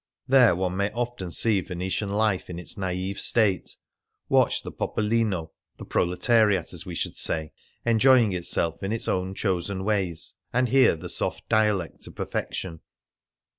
There one may often see Venetian life in its naive state, watch the popolino — the proletariat, as we should say — enjoying itself in its own chosen ways, and hear the soft dialect to perfection.